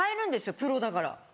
プロだがら。